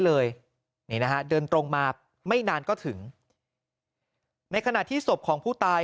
เลยนี่นะฮะเดินตรงมาไม่นานก็ถึงในขณะที่ศพของผู้ตาย